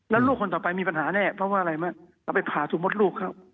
แล้วลูกคนต่อไปมีปัญหาแน่เพราะว่าอะไรไหมเอาไปผ่าสมมุติลูกเขา